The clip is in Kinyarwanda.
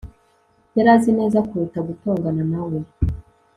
yari azi neza kuruta gutongana na we